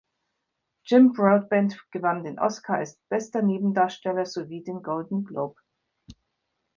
Jim Broadbent gewann den Oscar als bester Nebendarsteller, sowie den Golden Globe.